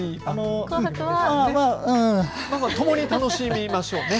共に楽しみましょうね。